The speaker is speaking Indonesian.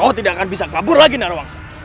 kau tidak akan bisa kelabur lagi narawangsa